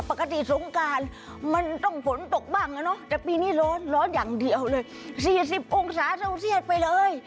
ปกติสงการมันต้องฝนตกบ้างเนอะแต่ปีนี้ร้อนอย่างเดียวเลย๔๐องศาเศรษฐ์ไปเลย